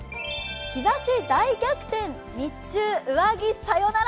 日ざし大逆転、日中、上着サヨナラ。